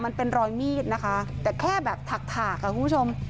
มันเป็นรอยมีดนะคะแต่แค่แบบถากถากค่ะคุณผู้ชม